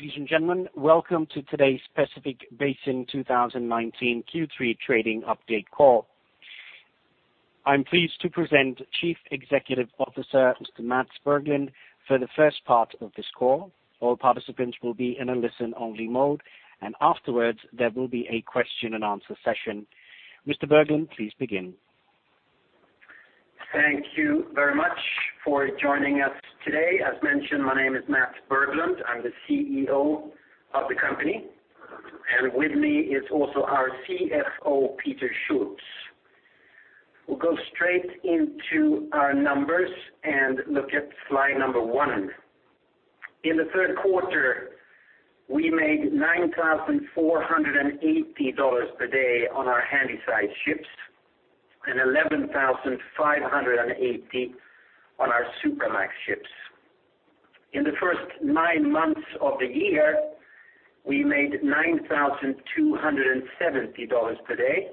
Ladies and gentlemen, welcome to today's Pacific Basin 2019 Q3 trading update call. I'm pleased to present Chief Executive Officer, Mr. Mats Berglund, for the first part of this call. All participants will be in a listen-only mode, and afterwards, there will be a question and answer session. Mr. Berglund, please begin. Thank you very much for joining us today. As mentioned, my name is Mats Berglund. I'm the CEO of the company, and with me is also our CFO, Peter Schulz. We'll go straight into our numbers and look at slide number one. In the third quarter, we made $9,480 per day on our Handysize ships and $11,580 on the Supramax ships. In the first nine months of the year, we made $9,270 per day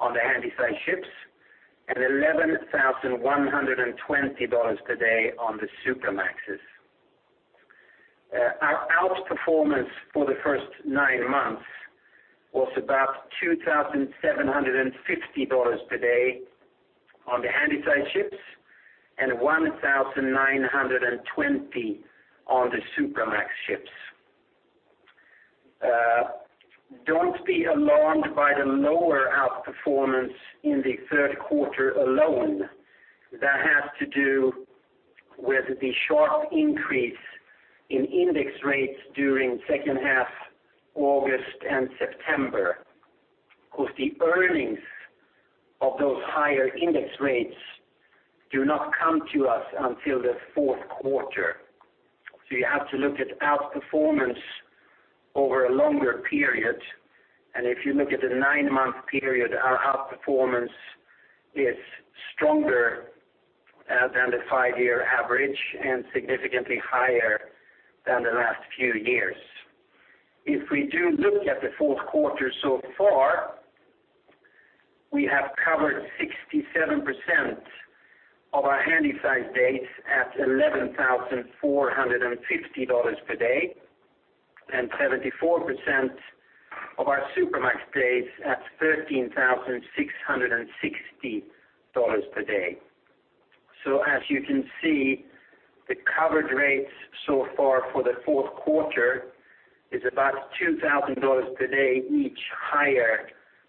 on the Handysize ships and $11,120 per day on the Supramaxes. Our outperformance for the first nine months was about $2,750 per day on the Handysize ships and $1,920 on the Supramax ships. Don't be alarmed by the lower outperformance in the third quarter alone. That has to do with the sharp increase in index rates during second half August and September, because the earnings of those higher index rates do not come to us until the fourth quarter. You have to look at outperformance over a longer period, and if you look at the nine-month period, our outperformance is stronger than the five-year average and significantly higher than the last few years. If we do look at the fourth quarter so far, we have covered 67% of our Handysize days at $11,450 per day and 74% of our Supramax days at $13,660 per day. As you can see, the coverage rates so far for the fourth quarter is about $2,000 per day each higher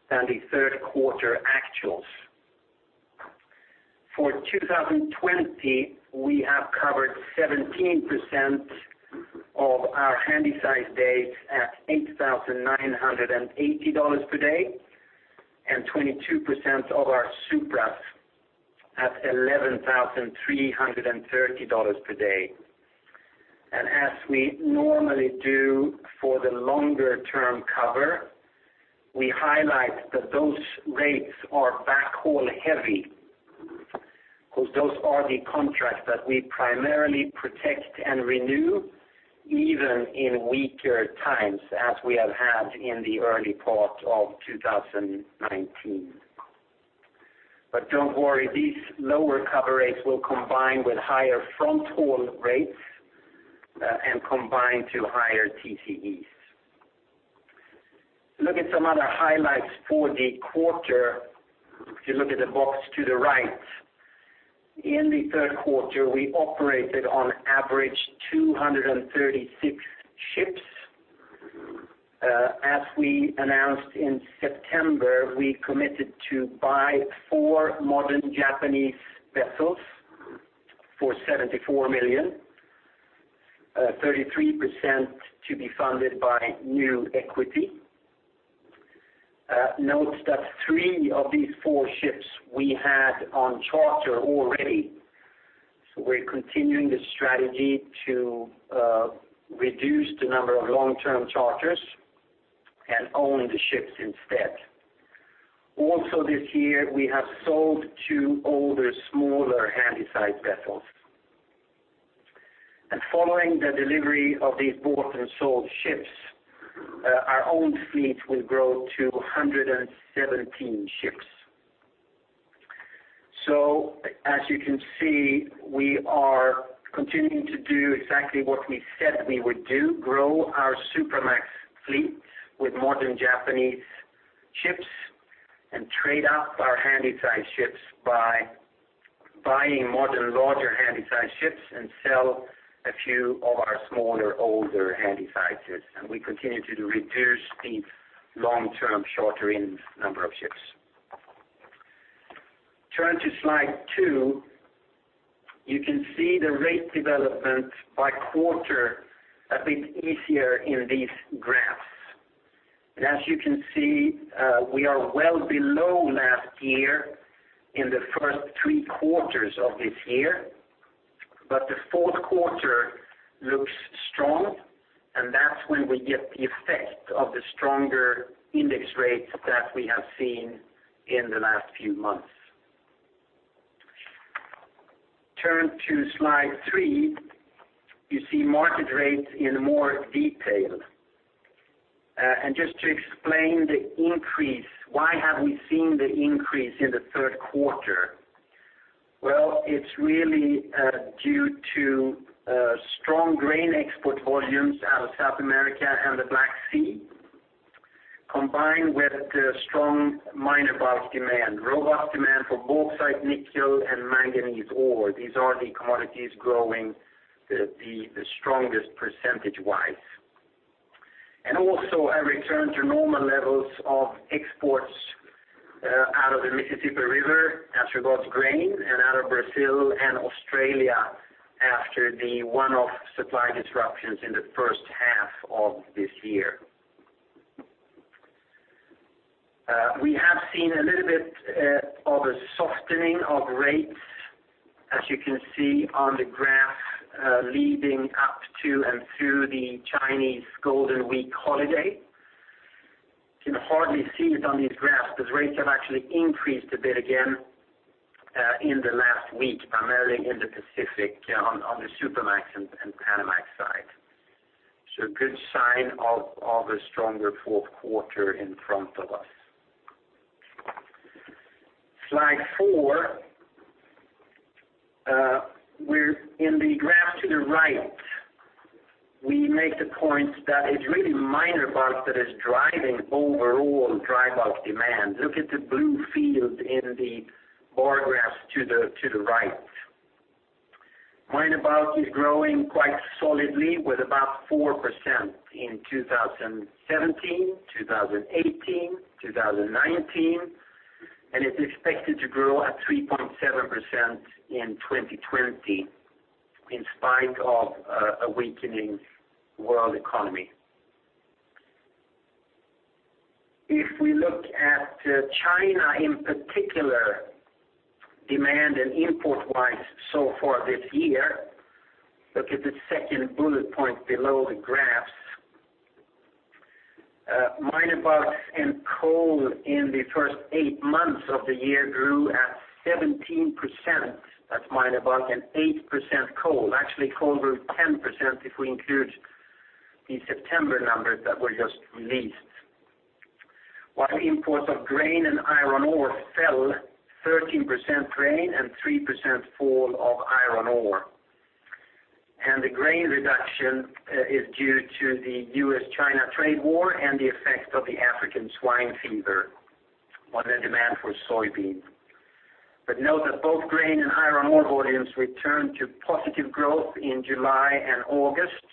than the third quarter actuals. For 2020, we have covered 17% of our Handysize days at $8,980 per day and 22% of our Supramaxes at $11,330 per day. As we normally do for the longer-term cover, we highlight that those rates are backhaul heavy, because those are the contracts that we primarily protect and renew even in weaker times, as we have had in the early part of 2019. Don't worry, these lower cover rates will combine with higher fronthaul rates and combine to higher TCEs. Look at some other highlights for the quarter. If you look at the box to the right, in the third quarter, we operated on average 236 ships. As we announced in September, we committed to buy 4 modern Japanese vessels for $74 million, 33% to be funded by new equity. Note that 3 of these 4 ships we had on charter already, so we're continuing the strategy to reduce the number of long-term charters and own the ships instead. This year, we have sold two older, smaller Handysize vessels. Following the delivery of these bought and sold ships, our own fleet will grow to 117 ships. As you can see, we are continuing to do exactly what we said we would do, grow our Supramax fleet with modern Japanese ships and trade up our Handysize ships by buying modern larger Handysize ships and sell a few of our smaller, older Handysize ships. We continue to reduce the long-term charter in number of ships. Turn to slide two, you can see the rate development by quarter a bit easier in these graphs. As you can see, we are well below last year in the first three quarters of this year, but the fourth quarter looks strong, and that's when we get the effect of the stronger index rates that we have seen in the last few months. Turn to slide three, you see market rates in more detail. Just to explain the increase, why have we seen the increase in the third quarter? Well, it's really due to strong grain export volumes out of South America and the Black Sea, combined with strong minor bulk demand, robust demand for bauxite, nickel, and manganese ore. These are the commodities growing the strongest percentage-wise. Also a return to normal levels of exports out of the Mississippi River as regards grain, and out of Brazil and Australia after the one-off supply disruptions in the first half of this year. We have seen a little bit of a softening of rates, as you can see on the graph, leading up to and through the Chinese Golden Week holiday. You can hardly see it on these graphs because rates have actually increased a bit again in the last week, primarily in the Pacific, on the Supramax and Panamax side. A good sign of a stronger fourth quarter in front of us. Slide four. In the graph to the right, we make the point that it's really minor bulk that is driving overall dry bulk demand. Look at the blue field in the bar graphs to the right. Minor bulk is growing quite solidly with about 4% in 2017, 2018, 2019, and is expected to grow at 3.7% in 2020, in spite of a weakening world economy. If we look at China in particular, demand and import-wise so far this year, look at the second bullet point below the graphs. Minor bulk and coal in the first eight months of the year grew at 17%, that's minor bulk, and 8% coal. Actually coal grew 10% if we include the September numbers that were just released. While imports of grain and iron ore fell 13% grain and 3% fall of iron ore. The grain reduction is due to the US-China trade war and the effect of the African swine fever on the demand for soybean. Note that both grain and iron ore volumes returned to positive growth in July and August.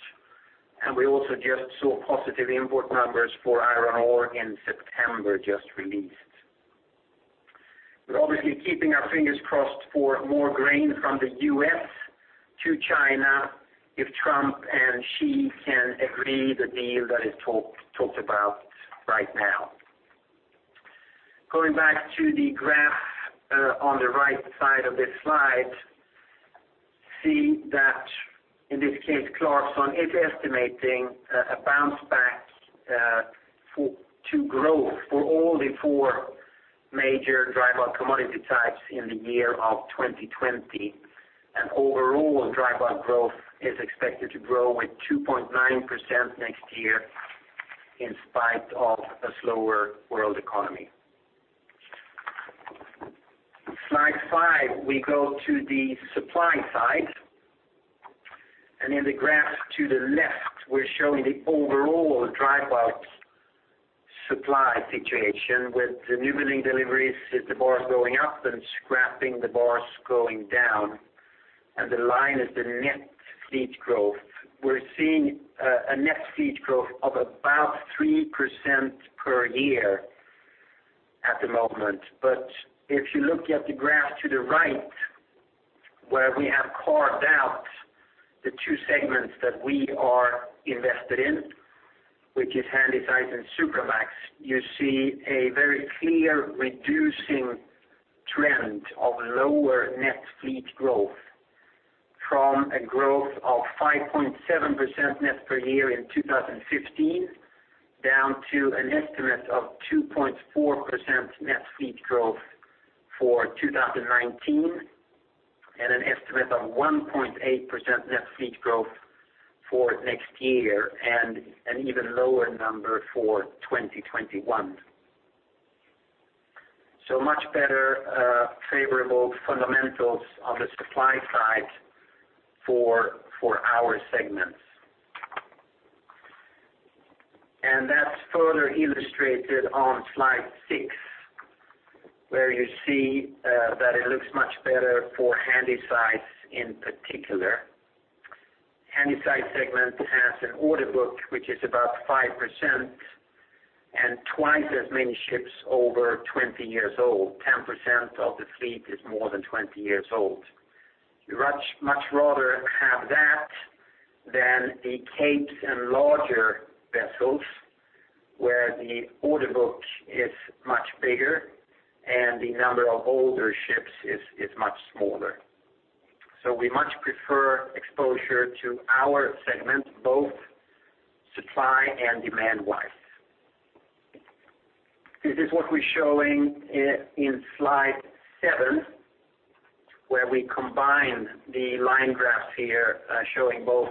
We also just saw positive import numbers for iron ore in September, just released. We're obviously keeping our fingers crossed for more grain from the U.S. to China if Trump and Xi can agree the deal that is talked about right now. Going back to the graph on the right side of this slide, see that, in this case, Clarksons is estimating a bounce back to growth for all the four major dry bulk commodity types in the year of 2020. Overall dry bulk growth is expected to grow at 2.9% next year in spite of a slower world economy. Slide five, we go to the supply side. In the graph to the left, we're showing the overall dry bulk supply situation with newbuilding deliveries is the bars going up and scrapping the bars going down. The line is the net fleet growth. We're seeing a net fleet growth of about 3% per year at the moment. If you look at the graph to the right, where we have carved out the two segments that we are invested in, which is Handysize and Supramax, you see a very clear reducing trend of lower net fleet growth from a growth of 5.7% net per year in 2015, down to an estimate of 2.4% net fleet growth for 2019, and an estimate of 1.8% net fleet growth for next year, and an even lower number for 2021. Much better favorable fundamentals on the supply side for our segments. That's further illustrated on slide six, where you see that it looks much better for Handysizes in particular. Handysize segment has an order book which is about 5% and twice as many ships over 20 years old, 10% of the fleet is more than 20 years old. You'd much rather have that than the Capes and larger vessels, where the order book is much bigger and the number of older ships is much smaller. We much prefer exposure to our segment, both supply and demand-wise. This is what we're showing in slide seven, where we combine the line graphs here, showing both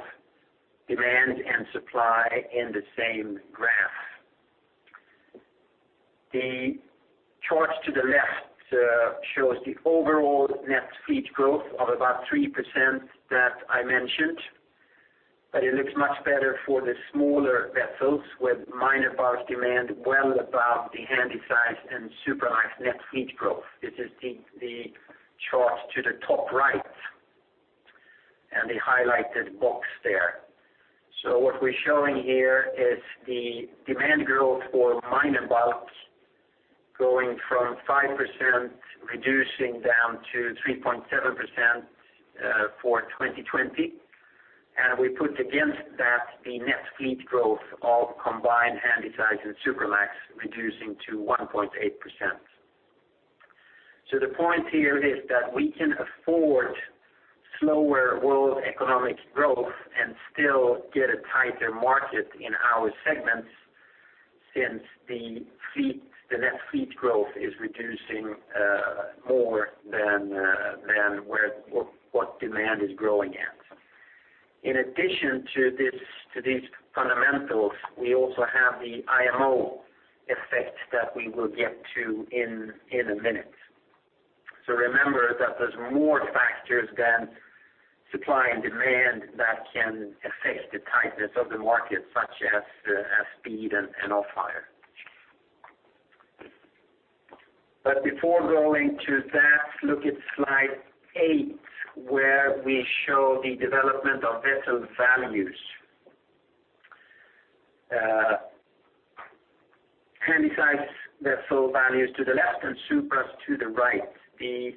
demand and supply in the same graph. The chart to the left shows the overall net fleet growth of about 3% that I mentioned, but it looks much better for the smaller vessels with minor bulk demand well above the Handysize and Supramax net fleet growth. This is the chart to the top right and the highlighted box there. What we're showing here is the demand growth for minor bulk going from 5%, reducing down to 3.7% for 2020. We put against that the net fleet growth of combined Handysize and Supramax reducing to 1.8%. The point here is that we can afford slower world economic growth and still get a tighter market in our segments, since the net fleet growth is reducing more than what demand is growing at. In addition to these fundamentals, we also have the IMO effect that we will get to in a minute. Remember that there's more factors than supply and demand that can affect the tightness of the market, such as speed and off-hire. Before going to that, look at slide eight, where we show the development of vessel values. Handysize vessel values to the left and Supras to the right. The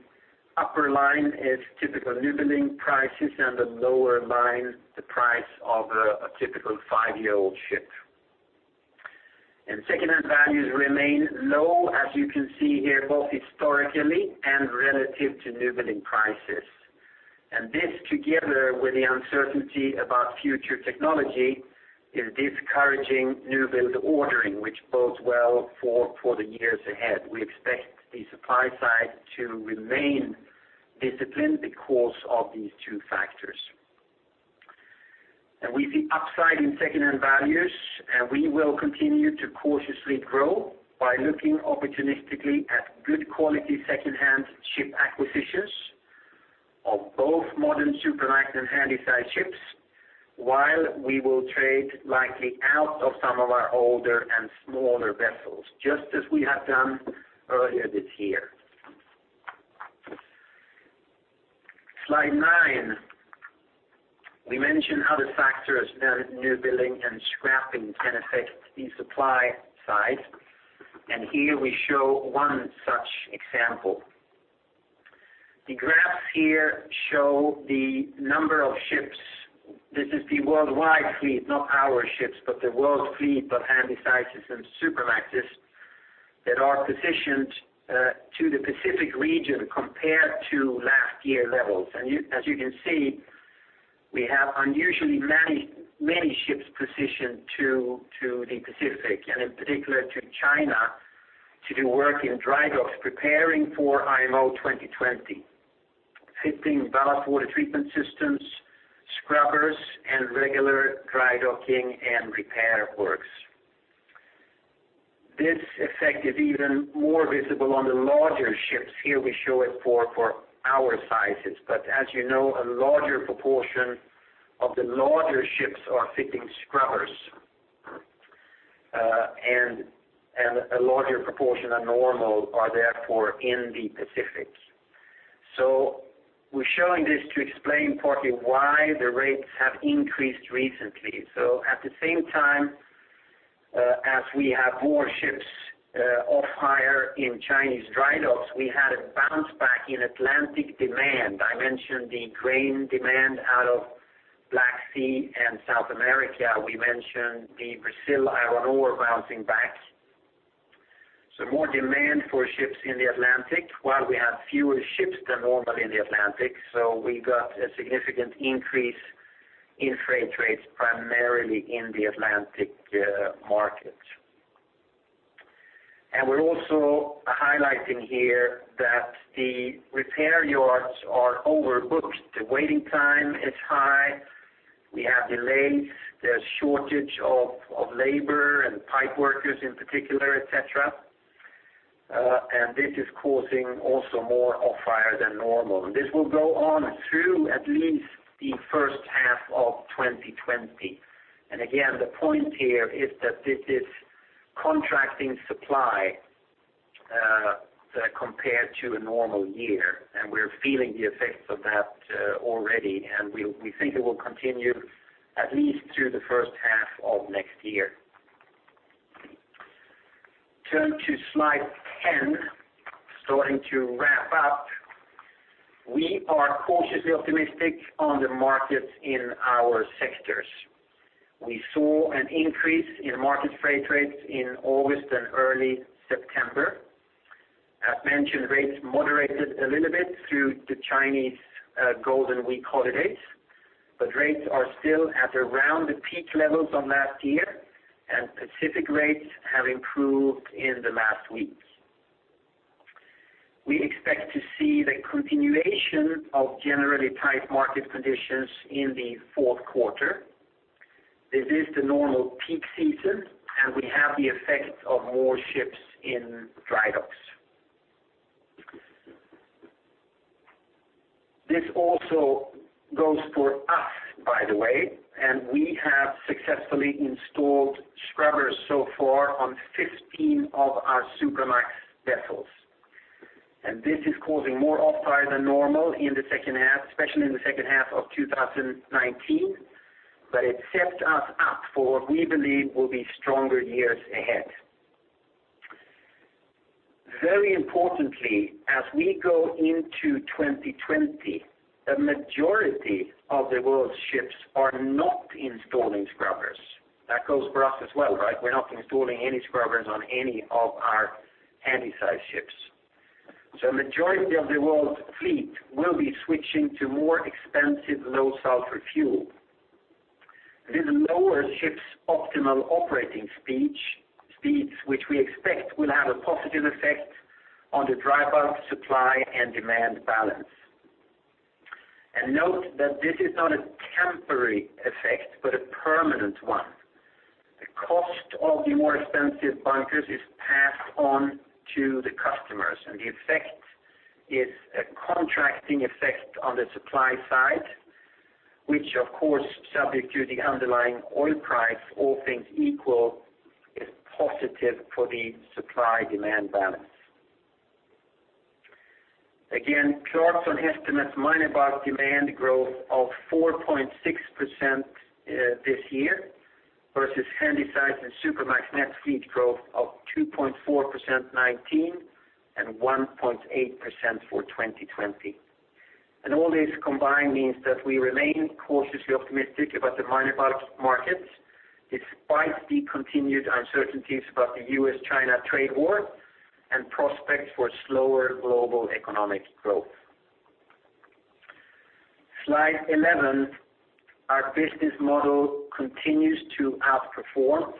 upper line is typical newbuilding prices, and the lower line, the price of a typical five-year-old ship. Secondhand values remain low, as you can see here, both historically and relative to newbuilding prices. This, together with the uncertainty about future technology, is discouraging newbuild ordering, which bodes well for the years ahead. We expect the supply side to remain disciplined because of these two factors. We see upside in secondhand values, and we will continue to cautiously grow by looking opportunistically at good quality secondhand ship acquisitions of both modern Supramax and Handysize ships while we will trade likely out of some of our older and smaller vessels, just as we have done earlier this year. Slide nine. We mentioned how the factors newbuilding and scrapping can affect the supply side, and here we show one such example. The graphs here show the number of ships. This is the worldwide fleet, not our ships, but the world fleet of Handysizes and Supramaxes that are positioned to the Pacific region compared to last year levels. As you can see, we have unusually many ships positioned to the Pacific, and in particular to China to do work in dry docks preparing for IMO 2020, fitting ballast water treatment systems, scrubbers, and regular dry docking and repair works. This effect is even more visible on the larger ships. Here we show it for our sizes, but as you know, a larger proportion of the larger ships are fitting scrubbers, and a larger proportion than normal are therefore in the Pacific. We're showing this to explain partly why the rates have increased recently. At the same time as we have more ships off-hire in Chinese dry docks, we had a bounce back in Atlantic demand. I mentioned the grain demand out of Black Sea and South America. We mentioned the Brazil iron ore bouncing back. More demand for ships in the Atlantic while we have fewer ships than normal in the Atlantic. We got a significant increase in freight rates, primarily in the Atlantic market. We're also highlighting here that the repair yards are overbooked. The waiting time is high. We have delays. There's shortage of labor and pipe workers in particular, et cetera. This is causing also more off-hire than normal. This will go on through at least the first half of 2020. Again, the point here is that this is contracting supply compared to a normal year, and we're feeling the effects of that already, and we think it will continue at least through the first half of next year. Turn to slide 10, starting to wrap up. We are cautiously optimistic on the markets in our sectors. We saw an increase in market freight rates in August and early September. As mentioned, rates moderated a little bit through the Chinese Golden Week holidays, but rates are still at around the peak levels of last year, and Pacific rates have improved in the last week. We expect to see the continuation of generally tight market conditions in the fourth quarter. This is the normal peak season, and we have the effect of more ships in dry docks. This also goes for us, by the way, and we have successfully installed scrubbers so far on 15 of our Supramax vessels. This is causing more off-hire than normal, especially in the second half of 2019, but it sets us up for what we believe will be stronger years ahead. Very importantly, as we go into 2020, a majority of the world's ships are not installing scrubbers. That goes for us as well, right? We are not installing any scrubbers on any of our Handysize ships. The majority of the world fleet will be switching to more expensive low sulfur fuel. This lowers ships' optimal operating speeds, which we expect will have a positive effect on the dry bulk supply and demand balance. Note that this is not a temporary effect, but a permanent one. The cost of the more expensive bunkers is passed on to the customers, and the effect is a contracting effect on the supply side, which of course, subject to the underlying oil price, all things equal, is positive for the supply-demand balance. Clarksons estimates minor bulk demand growth of 4.6% this year versus Handysize and Supramax net fleet growth of 2.4% 2019, and 1.8% for 2020. All this combined means that we remain cautiously optimistic about the minor bulk markets, despite the continued uncertainties about the US-China trade war and prospects for slower global economic growth. Slide 11, our business model continues to outperform.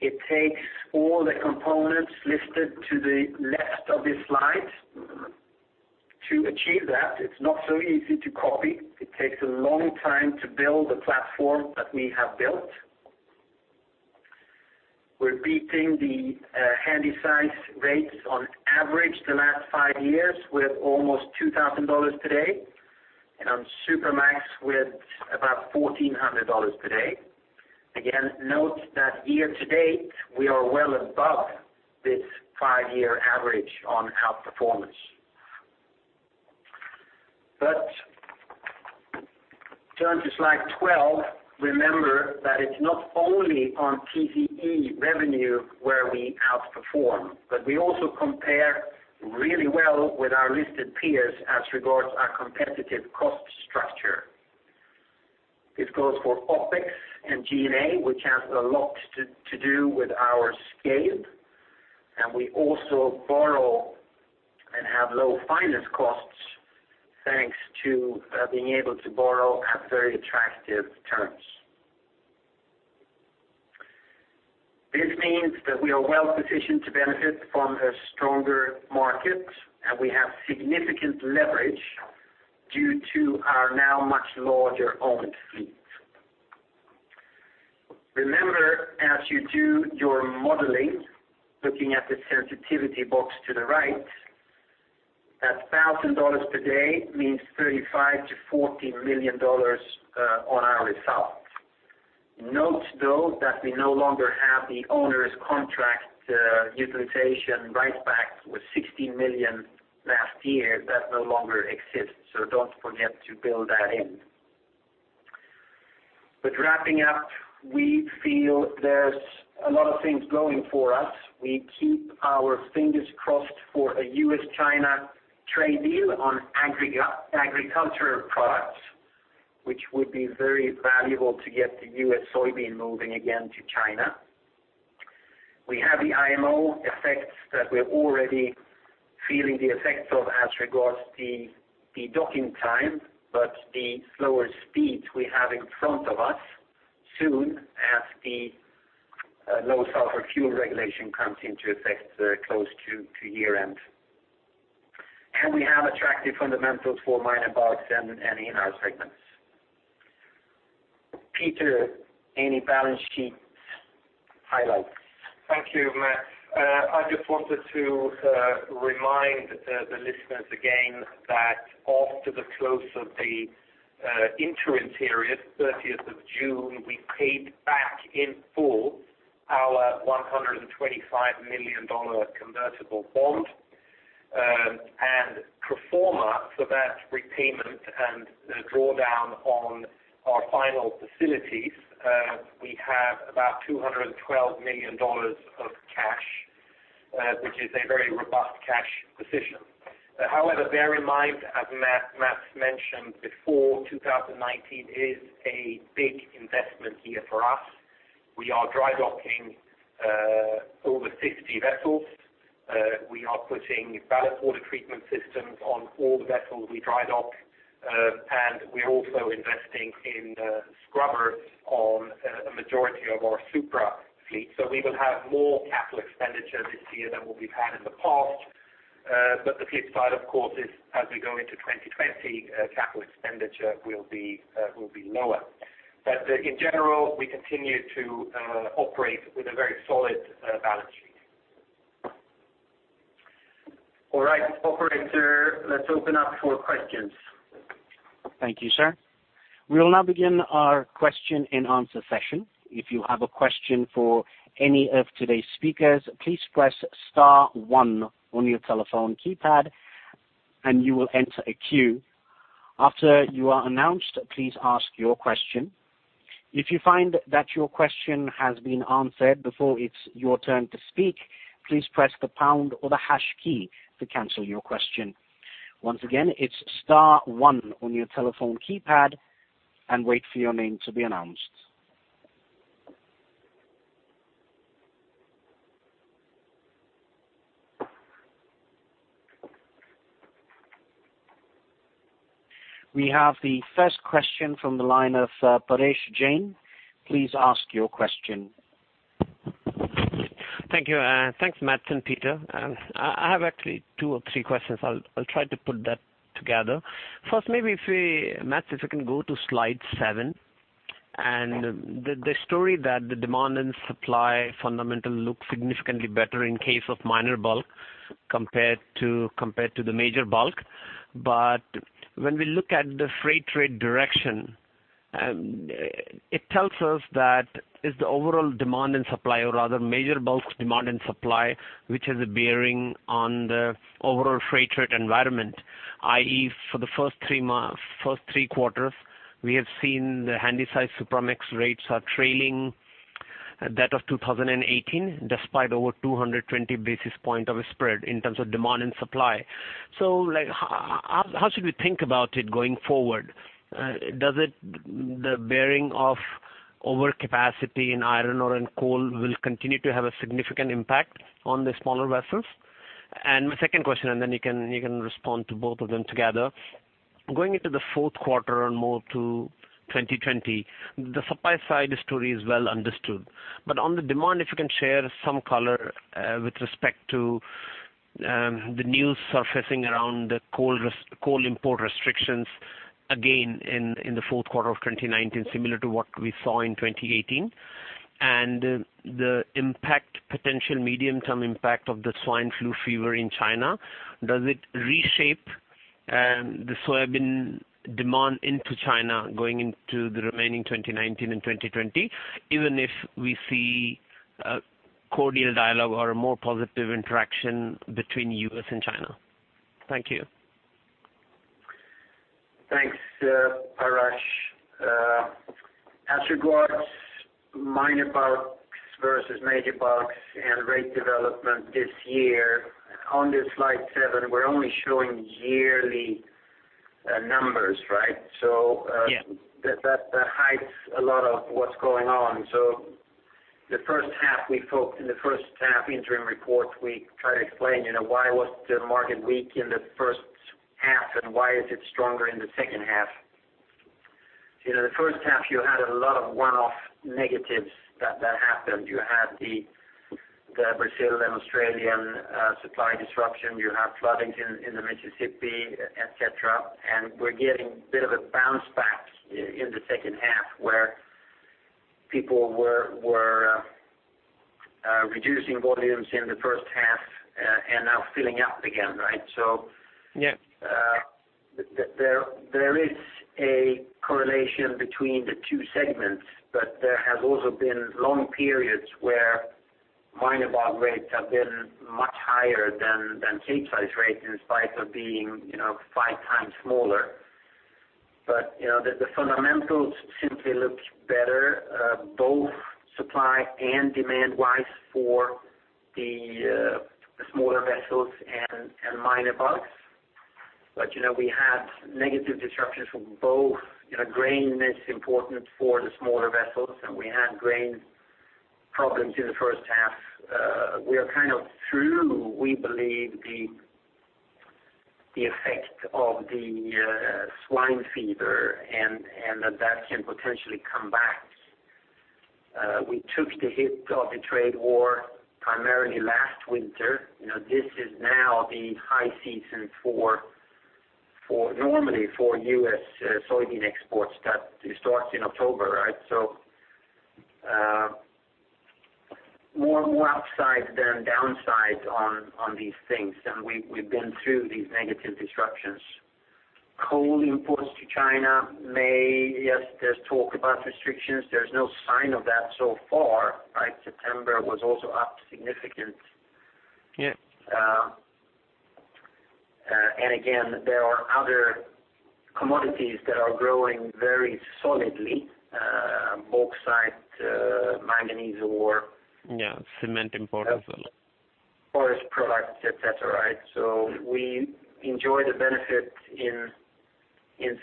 It takes all the components listed to the left of this slide to achieve that. It's not so easy to copy. It takes a long time to build the platform that we have built. We're beating the Handysize rates on average the last five years with almost $2,000 today, and on Supramax with about $1,400 today. Note that year-to-date, we are well above this five-year average on outperformance. Turn to slide 12, remember that it's not only on TCE revenue where we outperform, but we also compare really well with our listed peers as regards our competitive cost structure. This goes for OpEx and G&A, which has a lot to do with our scale, and we also borrow and have low finance costs thanks to being able to borrow at very attractive terms. This means that we are well-positioned to benefit from a stronger market, and we have significant leverage due to our now much larger owned fleet. Remember, as you do your modeling, looking at the sensitivity box to the right, that $1,000 per day means $35 million-$40 million on our results. Note, though, that we no longer have the owner's contract utilization rate back with $16 million last year. That no longer exists, so don't forget to build that in. We feel there's a lot of things going for us. We keep our fingers crossed for a US-China trade deal on agricultural products, which would be very valuable to get the U.S. soybean moving again to China. We have the IMO effects that we are already feeling the effects of as regards the docking time, but the slower speeds we have in front of us soon as the low sulfur fuel regulation comes into effect close to year-end. We have attractive fundamentals for minor bulks and in our segments. Peter, any balance sheet highlights? Thank you, Mats. I just wanted to remind the listeners again that after the close of the interim period, 30th of June, we paid back in full our $125 million convertible bond. Pro forma for that repayment and the drawdown on our final facilities, we have about $212 million of cash, which is a very robust cash position. However, bear in mind, as Mats mentioned before, 2019 is a big investment year for us. We are dry docking over 60 vessels. We are putting ballast water treatment systems on all the vessels we dry dock. We are also investing in scrubbers on a majority of our Supramax fleet. We will have more capital expenditure this year than what we've had in the past. The flip side, of course, is as we go into 2020, capital expenditure will be lower. In general, we continue to operate with a very solid balance sheet. All right, operator, let's open up for questions. Thank you, sir. We will now begin our question and answer session. If you have a question for any of today's speakers, please press star one on your telephone keypad and you will enter a queue. After you are announced, please ask your question. If you find that your question has been answered before it's your turn to speak, please press the pound or the hash key to cancel your question. Once again, it's star one on your telephone keypad and wait for your name to be announced. We have the first question from the line of Parash Jain. Please ask your question. Thank you. Thanks, Mats and Peter. I have actually two or three questions. I'll try to put that together. First, maybe if we, Mats, if we can go to slide seven, the story that the demand and supply fundamental look significantly better in case of minor bulk compared to the major bulk. When we look at the freight rate direction, it tells us that it's the overall demand and supply or rather major bulk demand and supply, which has a bearing on the overall freight rate environment, i.e., for the first three quarters, we have seen the Handysize, Supramax rates are trailing that of 2018, despite over 220 basis point of spread in terms of demand and supply. How should we think about it going forward? The bearing of overcapacity in iron ore and coal will continue to have a significant impact on the smaller vessels? My second question, and then you can respond to both of them together. Going into the fourth quarter and more to 2020, the supply side story is well understood. On the demand, if you can share some color with respect to the news surfacing around the coal import restrictions again in the fourth quarter of 2019, similar to what we saw in 2018. The potential medium-term impact of the African swine fever in China, does it reshape the soybean demand into China going into the remaining 2019 and 2020, even if we see a cordial dialogue or a more positive interaction between U.S. and China? Thank you. Thanks, Parash. As regards minor bulks versus major bulks and rate development this year, on the slide seven, we're only showing yearly numbers, right? Yeah. That hides a lot of what's going on. In the first half interim report, we try to explain why was the market weak in the first half, and why is it stronger in the second half. The first half, you had a lot of one-off negatives that happened. You had the Brazilian, Australian supply disruption. You have floodings in the Mississippi, et cetera. We're getting a bit of a bounce back in the second half where people were reducing volumes in the first half and now filling up again, right? Yeah. There is a correlation between the two segments, but there has also been long periods where minor bulk rates have been much higher than Capesize rates in spite of being five times smaller. The fundamentals simply look better, both supply and demand-wise for the smaller vessels and minor bulks. We had negative disruptions from both. Grain is important for the smaller vessels, and we had grain problems in the first half. We are kind of through, we believe, the effect of the swine fever and that can potentially come back. We took the hit of the trade war primarily last winter. This is now the high season normally for U.S. soybean exports that starts in October, right? More upsides than downsides on these things. We've been through these negative disruptions. Coal imports to China may, yes, there's talk about restrictions. There's no sign of that so far, right? September was also up significant. Yeah. Again, there are other commodities that are growing very solidly, bauxite, manganese ore. Yeah. Cement imports as well. Forest products, et cetera. We enjoy the benefit in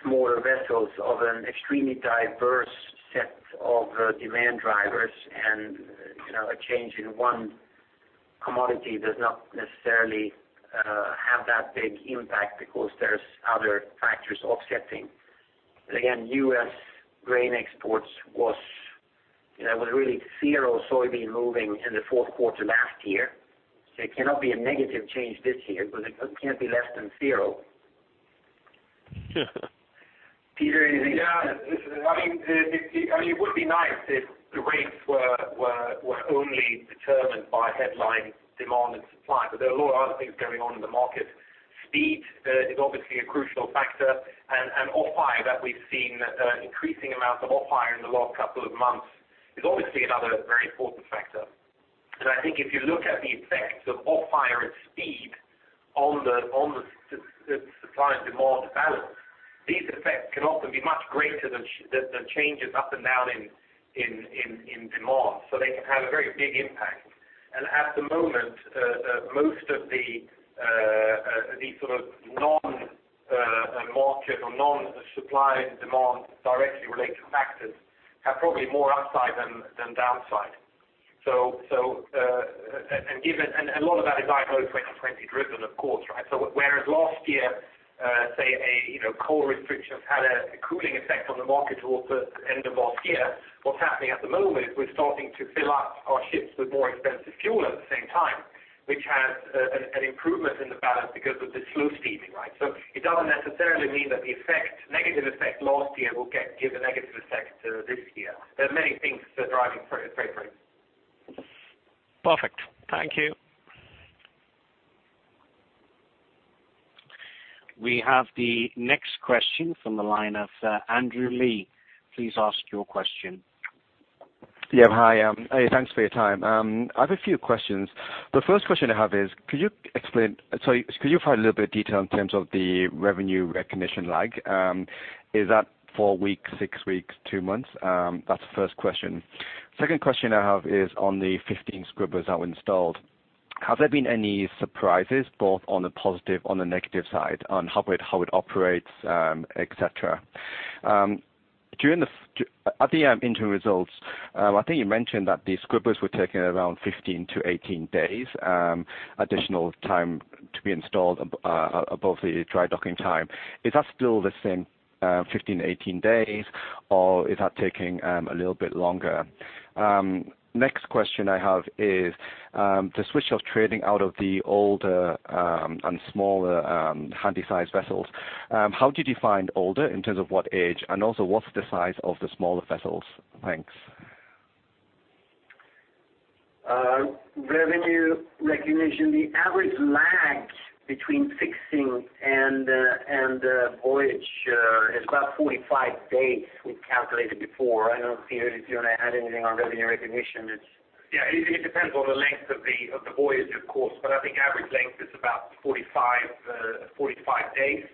smaller vessels of an extremely diverse set of demand drivers and a change in one Commodity does not necessarily have that big impact because there's other factors offsetting. Again, U.S. grain exports, there was really zero soybean moving in the fourth quarter last year. It cannot be a negative change this year because it can't be less than zero. Peter, anything? Yeah. It would be nice if the rates were only determined by headline demand and supply, but there are a lot of other things going on in the market. Speed is obviously a crucial factor, and that we've seen increasing amounts of off-hire in the last couple of months is obviously another very important factor. I think if you look at the effects of off-hire and speed on the supply and demand balance, these effects can often be much greater than changes up and down in demand, so they can have a very big impact. At the moment, most of these sort of non-market or non-supply and demand directly related factors have probably more upside than downside. A lot of that is IMO 2020 driven, of course. Whereas last year, say, coal restrictions had a cooling effect on the market towards the end of last year, what's happening at the moment is we're starting to fill up our ships with more expensive fuel at the same time, which has an improvement in the balance because of the slow steaming. It doesn't necessarily mean that the negative effect last year will give a negative effect this year. There are many things that are driving freight rates. Perfect. Thank you. We have the next question from the line of Andrew Lee. Please ask your question. Yeah. Hi, thanks for your time. I have a few questions. The first question I have is, could you provide a little bit of detail in terms of the revenue recognition lag? Is that four weeks, six weeks, two months? That's the first question. Second question I have is on the 15 scrubbers now installed. Have there been any surprises, both on the positive, on the negative side, on how it operates, et cetera? At the interim results, I think you mentioned that the scrubbers were taking around 15-18 days additional time to be installed above the dry docking time. Is that still the same, 15-18 days, or is that taking a little bit longer? Next question I have is, the switch of trading out of the older and smaller Handysize vessels. How do you define older in terms of what age, and also what's the size of the smaller vessels? Thanks. Revenue recognition, the average lag between fixing and voyage is about 45 days, we calculated before. I don't know, Peter, if you want to add anything on revenue recognition. It depends on the length of the voyage, of course, but I think average length is about 45 days.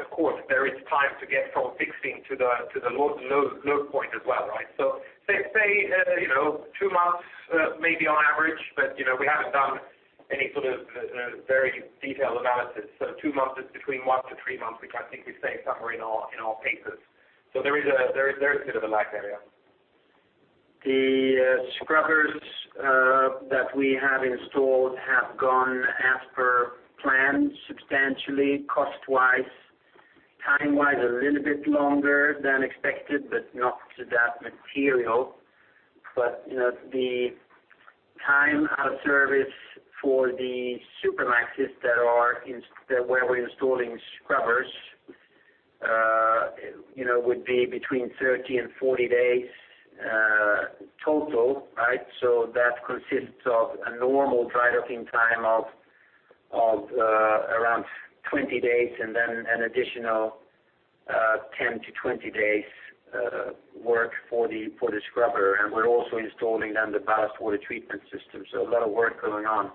Of course, there is time to get from fixing to the load point as well. Say, two months maybe on average, but we haven't done any sort of very detailed analysis. Two months is between one to three months, I think we say somewhere in our papers. There is a bit of a lag there. The scrubbers that we have installed have gone as per plan, substantially cost-wise, time-wise, a little bit longer than expected, but not to that material. The time out of service for the Supramaxes where we're installing scrubbers would be between 30 and 40 days total. That consists of a normal dry docking time of around 20 days, and then an additional 10-20 days work for the scrubber. We're also installing then the ballast water treatment system, so a lot of work going on.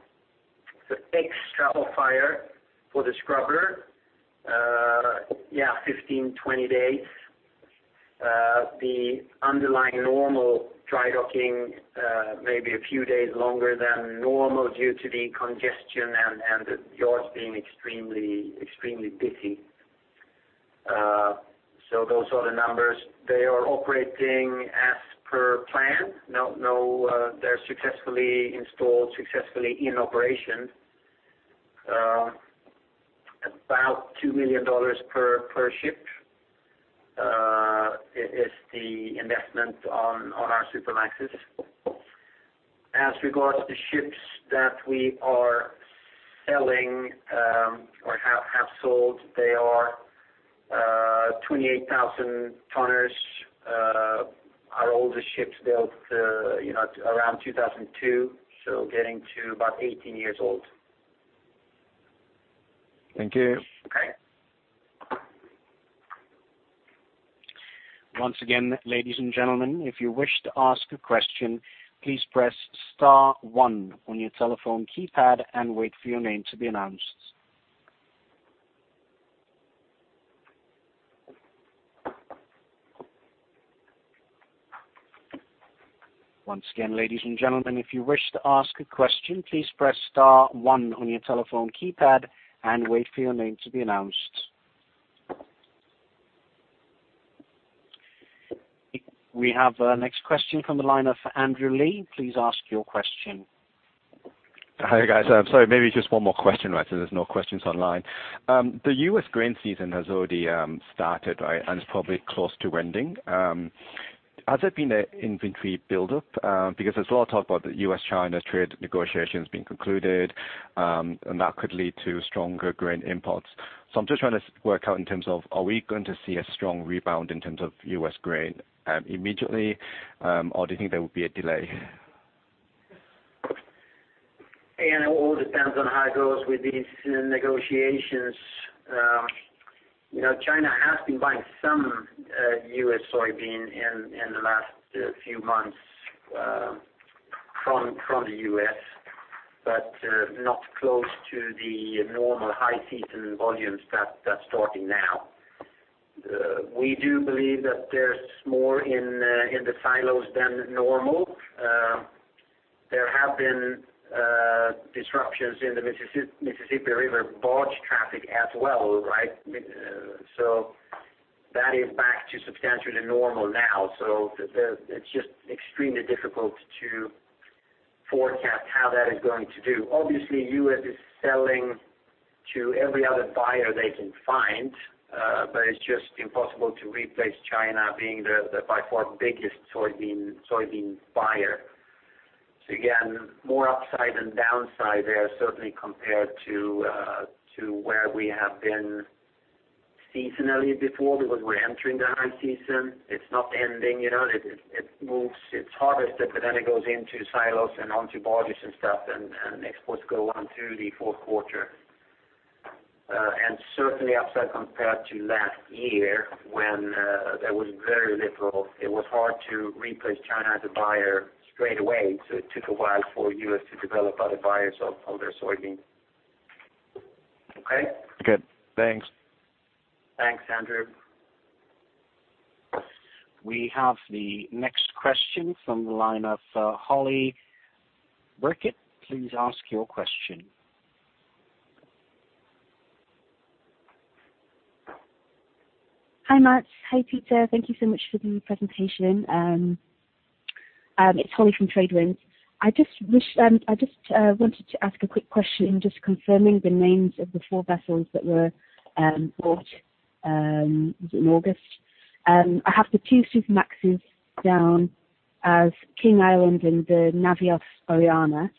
The extra off-hire for the scrubber, yeah, 15, 20 days. The underlying normal dry docking, maybe a few days longer than normal due to the congestion and the yards being extremely busy. Those are the numbers. They are operating as per plan. They're successfully installed, successfully in operation. About $2 million per ship is the investment on our Supramaxes. As regards to ships that we are selling or have sold, they are 28,000 tonners, our oldest ships built around 2002, so getting to about 18 years old. Thank you. Okay. Once again, ladies and gentlemen, if you wish to ask a question, please press star one on your telephone keypad and wait for your name to be announced. We have a next question from the line of Andrew Lee. Please ask your question. Hi, guys. Sorry, maybe just one more question, as there's no questions online. The U.S. grain season has already started, right? It's probably close to ending. Has there been an inventory buildup? There's a lot of talk about the U.S.-China trade negotiations being concluded, and that could lead to stronger grain imports. I'm just trying to work out in terms of, are we going to see a strong rebound in terms of U.S. grain immediately, or do you think there will be a delay? It all depends on how it goes with these negotiations. China has been buying some U.S. soybean in the last few months from the U.S., but not close to the normal high season volumes that's starting now. We do believe that there's more in the silos than normal. There have been disruptions in the Mississippi River barge traffic as well, right? That is back to substantially normal now. It's just extremely difficult to forecast how that is going to do. Obviously, the U.S. is selling to every other buyer they can find, but it's just impossible to replace China being the, by far, biggest soybean buyer. Again, more upside than downside there, certainly compared to where we have been seasonally before, because we're entering the high season. It's not ending. It moves, it's harvested, it goes into silos and onto barges and stuff, and exports go on through the fourth quarter. Certainly upside compared to last year when there was very little, it was hard to replace China as a buyer straight away, so it took a while for the U.S. to develop other buyers of their soybeans. Okay? Good. Thanks. Thanks, Andrew. We have the next question from the line of Holly Birkett. Please ask your question. Hi, Mats. Hi, Peter. Thank you so much for the presentation. It's Holly from TradeWinds. I just wanted to ask a quick question, just confirming the names of the four vessels that were bought, was it in August? I have the two Supramaxes down as King Island and the Navios Ariana,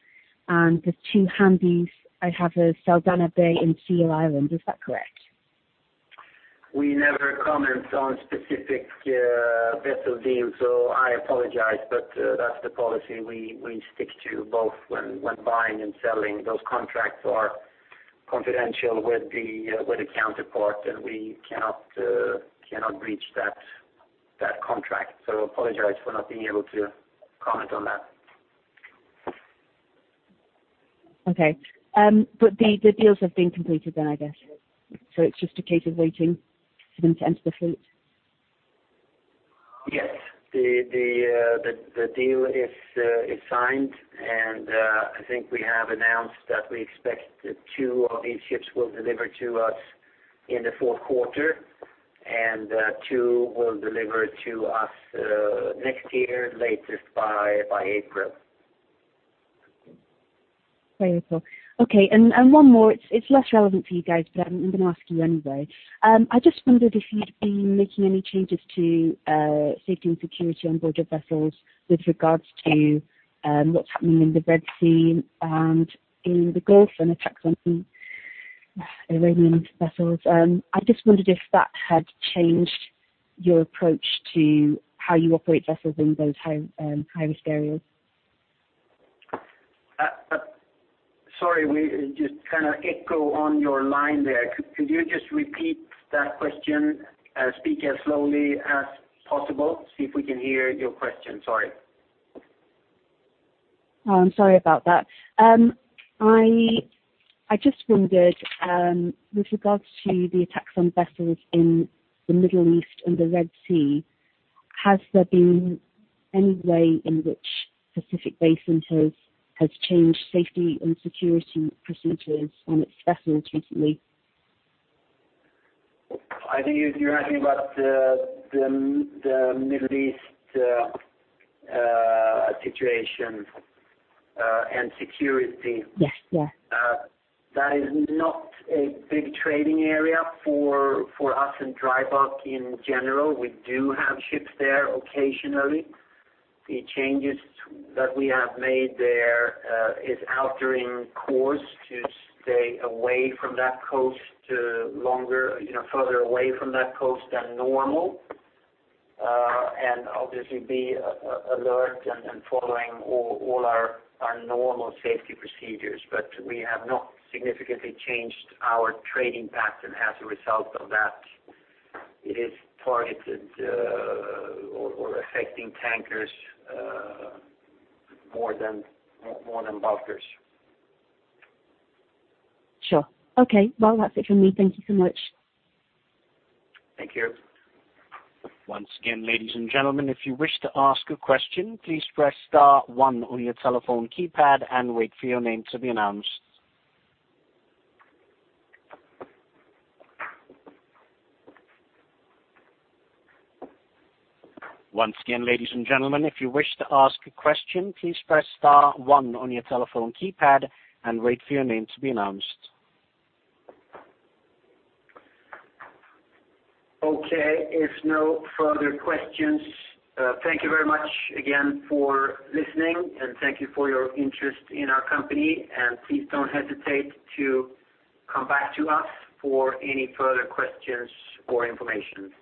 and the two Handys, I have as Saldanha Bay and Seal Island. Is that correct? I apologize, but that's the policy we stick to both when buying and selling. Those contracts are confidential with the counterpart, and we cannot breach that contract. I apologize for not being able to comment on that. Okay. The deals have been completed then, I guess. It's just a case of waiting for them to enter the fleet. Yes. The deal is signed, and I think we have announced that we expect that two of these ships will deliver to us in the fourth quarter, and two will deliver to us next year, latest by April. Very cool. Okay, one more. It's less relevant for you guys, I'm going to ask you anyway. I just wondered if you'd been making any changes to safety and security on board your vessels with regards to what's happening in the Red Sea and in the Gulf, and attacks on Iranian vessels. I just wondered if that had changed your approach to how you operate vessels in those high-risk areas. Sorry, we just kind of echo on your line there. Could you just repeat that question, speak as slowly as possible, see if we can hear your question? Sorry. Oh, I'm sorry about that. I just wondered, with regards to the attacks on vessels in the Middle East and the Red Sea, has there been any way in which Pacific Basin has changed safety and security procedures on its vessels recently? I think you're asking about the Middle East situation and security. Yes. That is not a big trading area for us and dry bulk in general. We do have ships there occasionally. The changes that we have made there is altering course to stay away from that coast, further away from that coast than normal. Obviously, be alert and following all our normal safety procedures, we have not significantly changed our trading pattern as a result of that. It is targeted or affecting tankers more than bulkers. Sure. Okay. Well, that's it from me. Thank you so much. Thank you. Once again, ladies and gentlemen, if you wish to ask a question, please press star one on your telephone keypad and wait for your name to be announced. Okay. If no further questions, thank you very much again for listening, and thank you for your interest in our company, and please don't hesitate to come back to us for any further questions or information.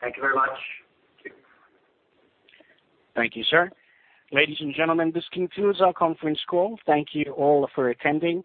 Thank you very much. Thank you. Thank you, sir. Ladies and gentlemen, this concludes our conference call. Thank you all for attending.